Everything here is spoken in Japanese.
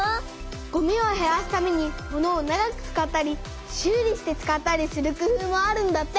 ごみをへらすためにものを長く使ったり修理して使ったりする工夫もあるんだって。